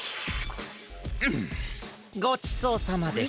うんごちそうさまでした。